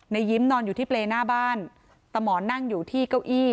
ยิ้มนอนอยู่ที่เปรย์หน้าบ้านตะหมอนนั่งอยู่ที่เก้าอี้